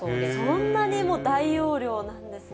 そんなに、もう大容量なんですね。